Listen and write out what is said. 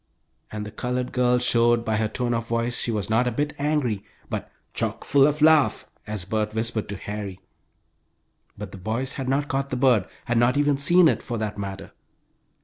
and the colored girl showed by her tone of voice she was not a bit angry, but "chock full of laugh," as Bert whispered to Harry. But the boys had not caught the bird, had not even seen it, for that matter.